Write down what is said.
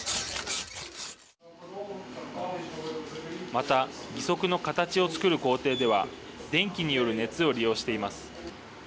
また、義足の形を作る工程では電気による熱を利用しています。